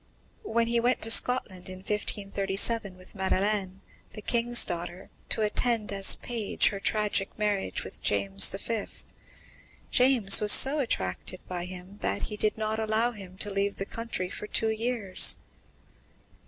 When he went to Scotland in 1537 with Madeleine, the King's daughter, to attend as page her tragic marriage with James V, James was so attracted by him that he did not allow him to leave the country for two years.